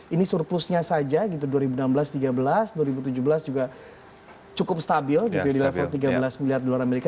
ini surplusnya saja gitu dua ribu enam belas dua ribu tiga belas dua ribu tujuh belas juga cukup stabil gitu ya di level tiga belas miliar dolar amerika